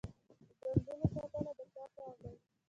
د بندونو ساتنه د چا کار دی؟